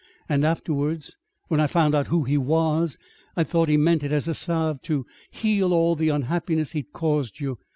And afterwards, when I found out who he was, I thought he meant it as a salve to heal all the unhappiness he'd caused you.